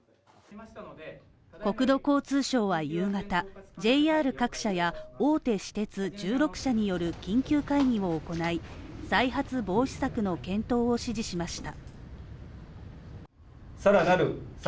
国土交通省は夕方、ＪＲ各社や大手私鉄１６社による緊急会議を行い再発防止策の検討を指示しました。